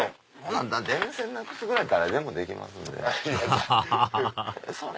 電線なくすぐらい誰でもできますんでね。